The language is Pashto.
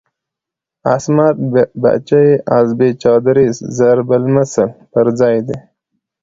"عصمت بی چه از بی چادریست" ضرب المثل پر ځای دی.